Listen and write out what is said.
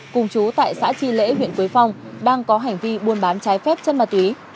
cùng chú tại xã tri lễ huyện quế phong đang có hành vi buôn bán trái phép chất ma túy